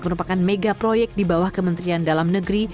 merupakan mega proyek di bawah kementerian dalam negeri